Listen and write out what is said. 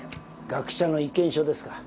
学者の意見書ですか。